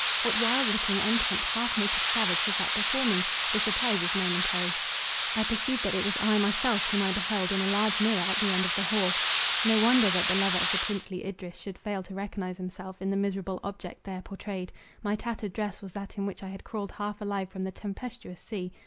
What wild looking, unkempt, half naked savage was that before me? The surprise was momentary. I perceived that it was I myself whom I beheld in a large mirror at the end of the hall. No wonder that the lover of the princely Idris should fail to recognize himself in the miserable object there pourtrayed. My tattered dress was that in which I had crawled half alive from the tempestuous sea.